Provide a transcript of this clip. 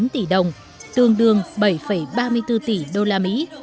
sáu mươi tám tám trăm sáu mươi chín tỷ đồng tương đương bảy ba mươi bốn tỷ đô la mỹ